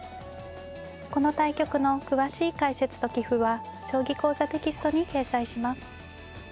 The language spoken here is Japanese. この対局の詳しい解説と棋譜は「将棋講座」テキストに掲載します。